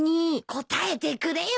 答えてくれよ。